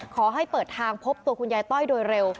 ขอให้เปิดทางพบตัวคุณยายต้อยโดยเร็ว